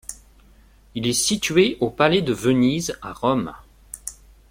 Il est situé au palais de Venise à Rome.